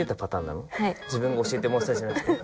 自分が教えてもらったじゃなくて。